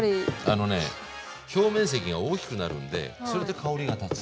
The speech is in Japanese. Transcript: あのね表面積が大きくなるんでそれで香りが立つ。